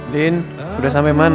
din udah sampai mana